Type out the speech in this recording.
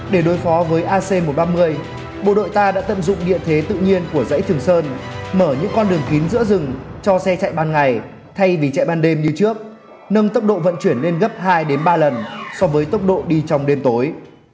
để đối phó với ac một trăm ba mươi bộ đội ta đã tận dụng địa thế tự nhiên của dãy trường sơn mở những con đường kín giữa rừng cho xe chạy ban ngày thay vì chạy ban đêm như trước nâng tốc độ vận chuyển lên gấp hai ba lần so với tốc độ đi trong đêm tối